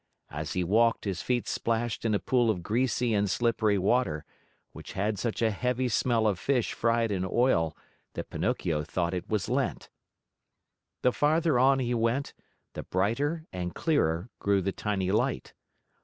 As he walked his feet splashed in a pool of greasy and slippery water, which had such a heavy smell of fish fried in oil that Pinocchio thought it was Lent. The farther on he went, the brighter and clearer grew the tiny light.